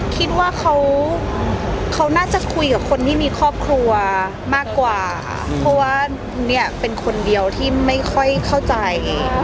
คิดว่าเขาน่าจะคุยกับคนที่มีครอบครัวมากกว่าเพราะว่าเนี่ยเป็นคนเดียวที่ไม่ค่อยเข้าใจ